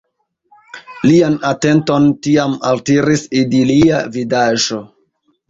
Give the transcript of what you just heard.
Lian atenton tiam altiris idilia vidaĵo.